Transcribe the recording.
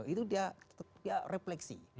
itu dia refleksi